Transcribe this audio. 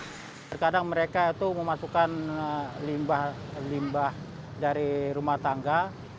kadang kadang mereka memasukkan limbah limbah dari rumah tangga